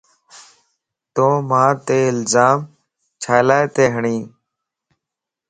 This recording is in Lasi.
تون مانت الزام چھيلاتي ھڙين؟